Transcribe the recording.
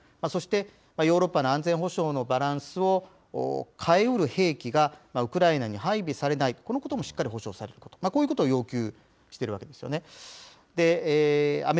そして、ヨーロッパの安全保障のバランスを変えうる兵器がウクライナに配備されない、このこともしっかり保障されること、こういうことを要求しているわけですよね。